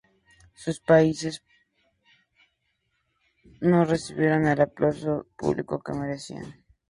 Sus poesías no recibieron el aplauso público que merecían.